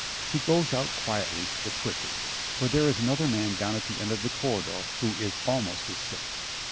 He goes out quietly, but quickly, for there is another man down at the end of the corridor who is almost as sick.